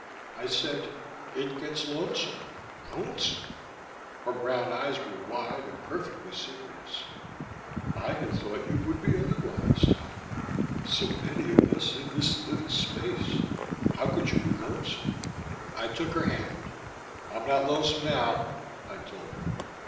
I said, "It gets lonesome." "Lonesome?" Her brown eyes were wide and perfectly serious. "I had thought it would be otherwise, Tom. So many of us in this little space, how could you be lonesome?" I took her hand. "I'm not lonesome now," I told her.